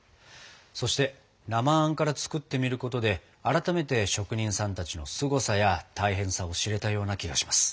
そして生あんから作ってみることで改めて職人さんたちのすごさや大変さを知れたような気がします。